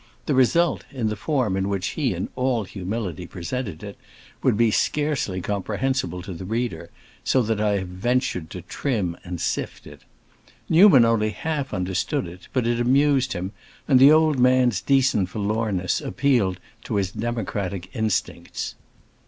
The result, in the form in which he in all humility presented it, would be scarcely comprehensible to the reader, so that I have ventured to trim and sift it. Newman only half understood it, but it amused him, and the old man's decent forlornness appealed to his democratic instincts.